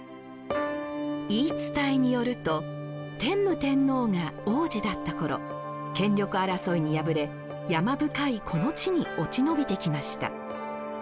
言い伝えによると天武天皇が皇子だった頃権力争いに敗れ山深いこの地に落ち延びてきました。